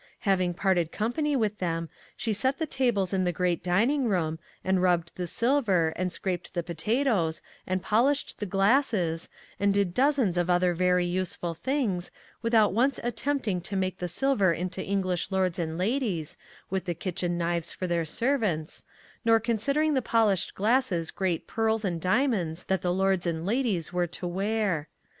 Having parted company with them, she set the tables in the great dining room, and rubbed the silver, and scraped the potatoes, and polished the glasses, and did dozens of other very useful things, without once attempting to make the silver into English lords and ladies, with the kitchen knives for their servants, nor considering the polished glasses great pearls and diamonds that the lords and ladies were to wear.